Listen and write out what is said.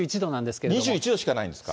けれ２１度しかないんですか。